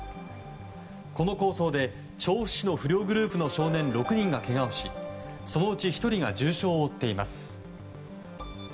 この抗争で調布市の不良グループの少年６人がけがをしそのうち１人が重傷を負っています。